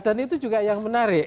dan itu juga yang menarik